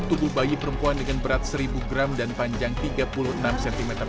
tubuh bayi perempuan dengan berat seribu gram dan panjang tiga puluh enam cm tersebut dalam kondisi lebam